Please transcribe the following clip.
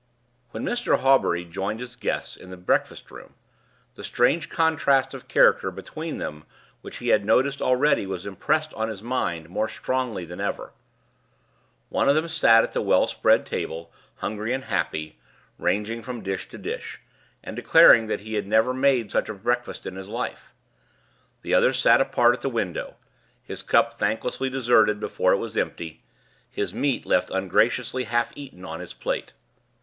When Mr. Hawbury joined his guests in the breakfast room, the strange contrast of character between them which he had noticed already was impressed on his mind more strongly than ever. One of them sat at the well spread table, hungry and happy, ranging from dish to dish, and declaring that he had never made such a breakfast in his life. The other sat apart at the window; his cup thanklessly deserted before it was empty, his meat left ungraciously half eaten on his plate.